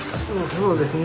そうですね。